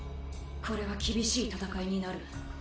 これは厳しい戦いになる。